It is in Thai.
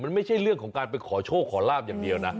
มันไม่ใช่เรื่องของการไปขอโชคขอลาบอย่างเดียวนะ